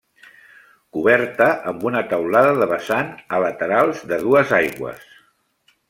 Coberta amb una teulada de vessants a laterals de dues aigües.